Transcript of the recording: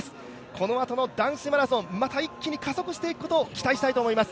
このあとの男子マラソン、また一気に加速していくことを期待したいと思います。